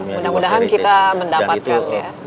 mudah mudahan kita mendapatkan